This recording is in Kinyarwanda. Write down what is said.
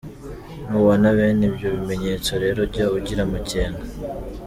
Nubona bene ibyo bimenyetso rero jya ugira amakenga.